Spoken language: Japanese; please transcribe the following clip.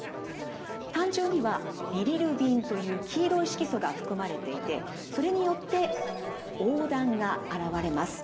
胆汁にはビリルビンという黄色い色素が含まれていてそれによって黄だんが現れます。